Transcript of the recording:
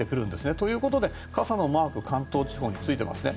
ということで傘のマーク関東地方についてますね。